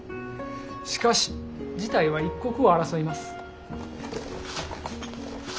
しかし事態は一刻を争います。